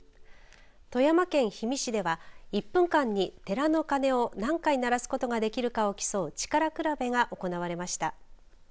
富山県氷見市では１分間に寺の鐘を何回鳴らすことができるかを競う力比べが行われました。